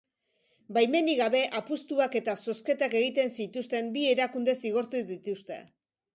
Baimenik gabe apustuak eta zozketak egiten zituzten bi erakunde zigortu dituzte.